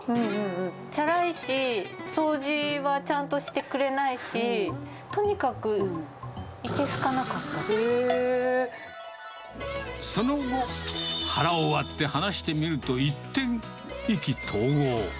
ちゃらいし、掃除はちゃんとしてくれないし、その後、腹を割って話してみると一転、意気投合。